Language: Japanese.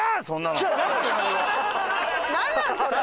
そんなの。